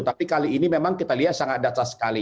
tapi kali ini memang kita lihat sangat data sekali